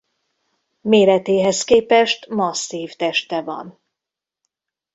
Méretéhez képest masszív teste van.